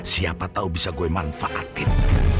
siapa tahu bisa gue manfaatin